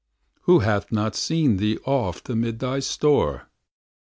Who hath not seen thee oft amid thy store?